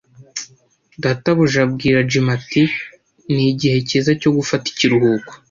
Databuja abwira Jim ati: "Ni igihe cyiza cyo gufata ikiruhuko."